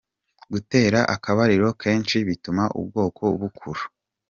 Gutera akabariro kenshi bituma ubwoko bukura.